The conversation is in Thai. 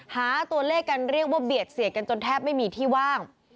หาตัวเลขกันเรียกว่าเบียดเสียดกันจนแทบไม่มีที่ว่าง